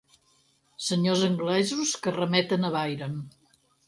Senyors anglesos que remeten a Byron.